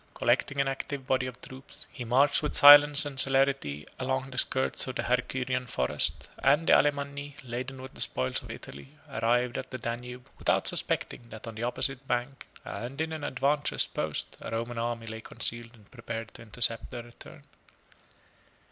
Collecting an active body of troops, he marched with silence and celerity along the skirts of the Hercynian forest; and the Alemanni, laden with the spoils of Italy, arrived at the Danube, without suspecting, that on the opposite bank, and in an advantageous post, a Roman army lay concealed and prepared to intercept their return.